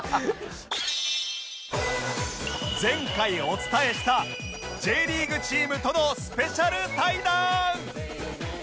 前回お伝えした Ｊ リーグチームとのスペシャル対談！